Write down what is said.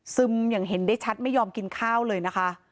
อย่างเห็นได้ชัดไม่ยอมกินข้าวเลยนะคะ